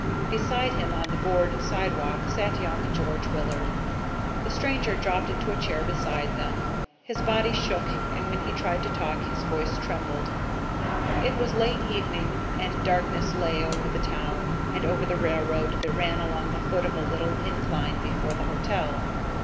Beside him on the board sidewalk sat young George Willard. The stranger dropped into a chair beside them. His body shook and when he tried to talk his voice trembled. It was late evening and darkness lay over the town and over the railroad that ran along the foot of a little incline before the hotel.